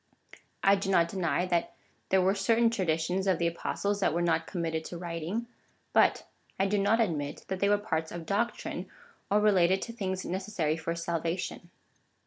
I do not deny, that there were certain traditions ' of the Apostles that were not committed to writing, but I do not admit that they were parts of doctrine, or related to things necessary for salvation.